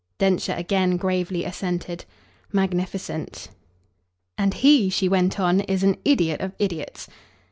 Densher again gravely assented. "Magnificent!" "And HE," she went on, "is an idiot of idiots."